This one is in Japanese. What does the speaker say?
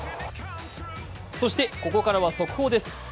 そしてここからは速報です。